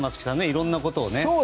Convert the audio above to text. いろんなことをね。